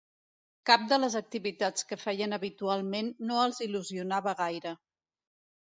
Cap de les activitats que feien habitualment no els il·lusionava gaire.